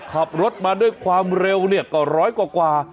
ขับรถมาด้วยความเร็วเนี่ยก็ร้อยกว่า